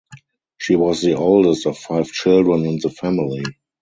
She was the oldest of five children in the family.